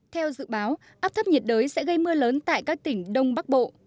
theo dự báo áp thấp nhiệt đới sẽ gây mưa lớn tại các tỉnh đông bắc bộ